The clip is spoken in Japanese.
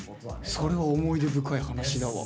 それは思い出深い話だわ。